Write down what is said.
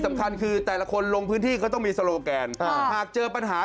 สำคัญคือแต่ละคนลงพื้นที่ก็ต้องมีโซโลแกนหากเจอปัญหา